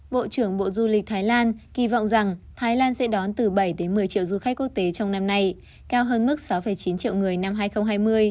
bộ trưởng bộ du lịch thái lan kỳ vọng rằng thái lan sẽ đón từ bảy một mươi triệu du khách quốc tế trong năm nay cao hơn mức sáu chín triệu người năm hai nghìn hai mươi